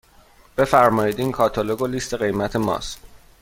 بفرمایید این کاتالوگ و لیست قیمت ماست.